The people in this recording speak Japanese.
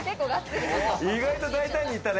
意外と大胆に行ったね。